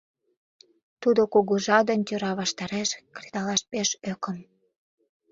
Тудо кугыжа ден тӧра ваштареш кредалаш пеш ӧкым.